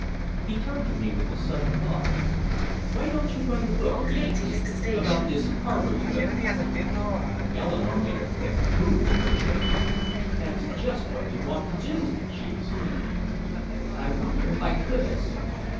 He turned to me with a sudden thought. "Why don't you write a book," he asked, "about this harbor you have known!" Eleanore made a quick move in her chair. "That's just what you ought to do!" she exclaimed. "I wonder if I could," I said.